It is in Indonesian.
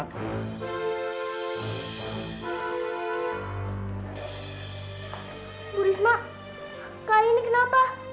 bu risma kak aini kenapa